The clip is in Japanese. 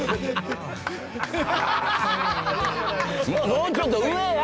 もうちょっと上や！